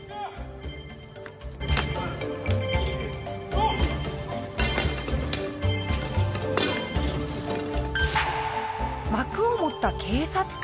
新発売幕を持った警察官。